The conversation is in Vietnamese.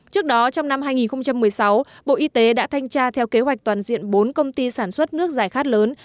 trước đó trong năm hai nghìn một mươi sáu bộ y tế đã thanh tra theo kế hoạch toàn diện bốn công ty sản xuất nước giải khát lớn